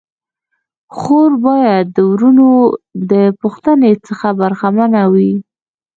خور باید د وروڼو د پوښتني څخه برخه منه وي.